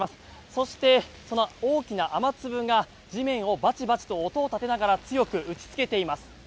そして、その大きな雨粒が地面をバチバチと音を立てながら強く打ちつけています。